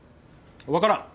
分からん！